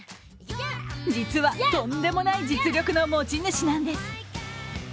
実は、とんでもない実力の持ち主なんです。